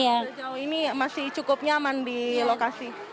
jauh jauh ini masih cukup nyaman di lokasi